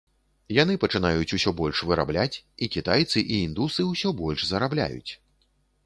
Яны пачынаюць усё больш вырабляць, і кітайцы і індусы ўсё больш зарабляюць.